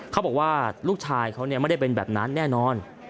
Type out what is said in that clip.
เขาบอกว่าลูกชายเขาไม่ได้เป็นแบบนั้นแน่นอน